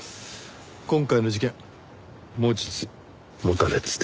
今回の事件持ちつ持たれつで。